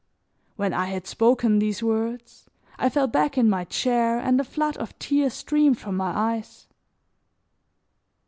'" When I had spoken these words, I fell back in my chair and a flood of tears streamed from my eyes.